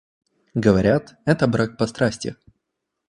Говорят, это брак по страсти.